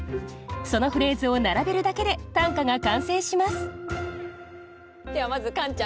そのフレーズを並べるだけで短歌が完成しますではまずカンちゃん。